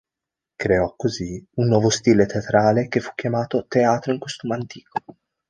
Creò così un nuovo stile teatrale che fu chiamato "teatro in costume antico".